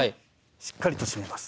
しっかりと締めます。